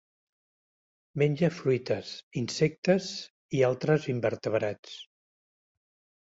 Menja fruites, insectes i altres invertebrats.